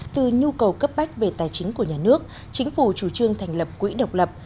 từ nhu cầu cấp bách về tài chính của nhà nước chính phủ chủ trương thành lập quỹ độc lập